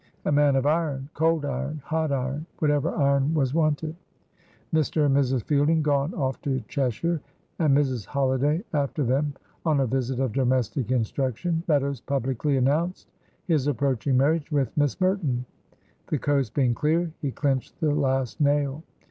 A man of iron! Cold iron, hot iron, whatever iron was wanted. Mr. and Mrs. Fielding gone off to Cheshire, and Mrs. Holiday after them on a visit of domestic instruction, Meadows publicly announced his approaching marriage with Miss Merton. The coast being clear, he clinched the last nail.